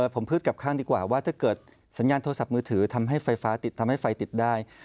ผมพูดกลับข้างดีกว่าว่าถ้าเกิดสัญญาณโทรศัพท์มือถือทำให้ไฟฟ้าติดทำให้ไฟติดได้